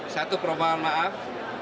satu permohonan maaf